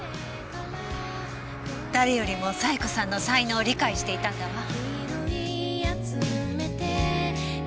誰よりも冴子さんの才能を理解していたんだわ。